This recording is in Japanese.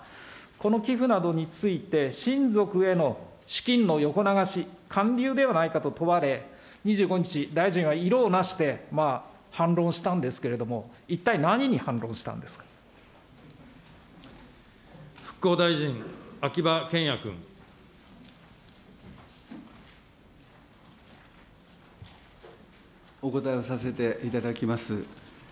この寄付などについて、親族への資金の横流し、還流ではないかと問われ、２５日、大臣は色をなして反論したんですけれども、一体何に反論したんで復興大臣、お答えをさせていただきます。